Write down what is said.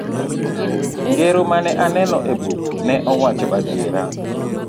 Ngero mane aneno e buk ne wacho adiera.